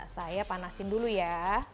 saya panasin dulu ya